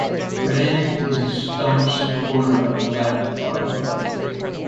Brand is a staunch supporter of the Labour Party.